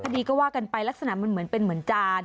คดีก็ว่ากันไปลักษณะมันเหมือนเป็นเหมือนจาน